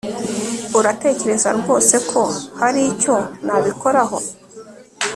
Uratekereza rwose ko hari icyo nabikoraho